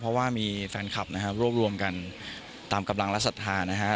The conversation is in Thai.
เพราะว่ามีแฟนคลับนะฮะรวบรวมกันตามกำลังลักษฐานนะฮะ